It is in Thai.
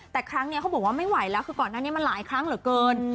แต่ครั้งนี้เขาบอกว่าไม่ไหวแล้วคือก่อนหน้านี้มันหลายครั้งเหลือเกิน